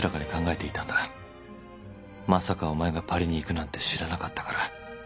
まさかお前がパリに行くなんて知らなかったから